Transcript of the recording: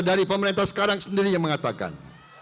dari pemerintah sekarang sendiri yang mengatakan